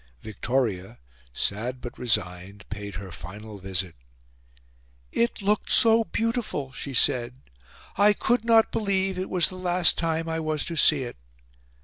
Victoria, sad but resigned, paid her final visit. "It looked so beautiful," she said. "I could not believe it was the last time I was to see it.